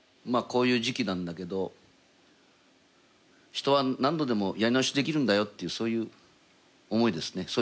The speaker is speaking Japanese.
こういう時期なんだけど人は何度でもやり直しできるんだよっていうそういう思いですね。